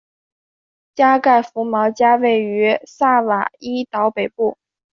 加盖福毛加位于萨瓦伊岛北部。